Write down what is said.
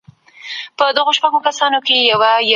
ميرويس خان نيکه څنګه د خپل نوم يادګار پرېښود؟